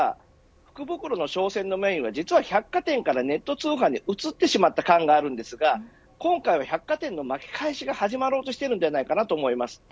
福袋商戦のメーンは実は百貨店からネット通販に移ってしまった感があるんですが今回は百貨店の巻き返しが始まろうとしているんじゃないかと思います。